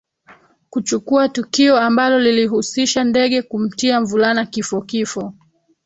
Kuchukua tukio ambalo lilihusisha ndege kumtia mvulana kifo kifo